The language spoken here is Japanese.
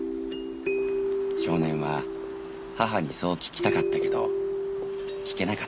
少年は母にそう聞きたかったけど聞けなかった。